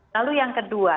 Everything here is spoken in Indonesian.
lalu yang kedua